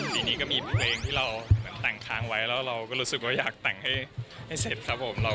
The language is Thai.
ปีนี้ก็มีเพลงที่เราแต่งค้างไว้แล้วเราก็รู้สึกว่าอยากแต่งให้เสร็จครับผม